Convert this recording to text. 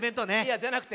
じゃなくて。